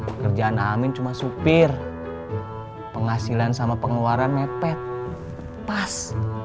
pekerjaan amin cuma supir penghasilan sama pengeluaran mepet pas